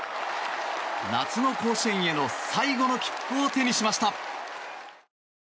夏の甲子園への最後の切符を手にしました。